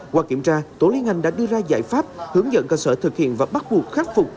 qua kiểm tra tổ liên ngành đã đưa ra giải pháp hướng dẫn cơ sở thực hiện và bắt buộc khắc phục